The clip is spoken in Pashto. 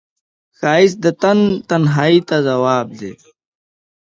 ښایست د تن تنهایی ته ځواب دی